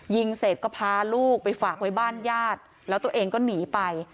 ยิงเสร็จก็พาลูกไปฝากไว้บ้านญาติแล้วตัวเองก็หนีไป